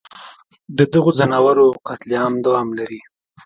ددغو ځناورو قتل عام دوام لري